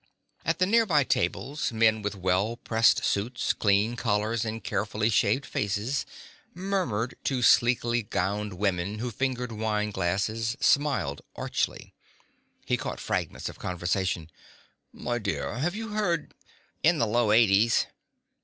At the nearby tables men with well pressed suits, clean collars, and carefully shaved faces murmured to sleekly gowned women who fingered wine glasses, smiled archly. He caught fragments of conversation: "My dear, have you heard ...""... in the low eighties